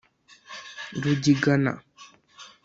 Rugigana